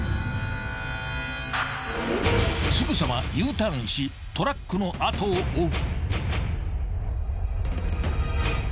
［すぐさまＵターンしトラックの後を追う］